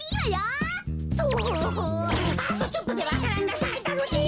あとちょっとでわか蘭がさいたのに！